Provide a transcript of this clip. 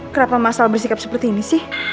kenapa masalah bersikap seperti ini sih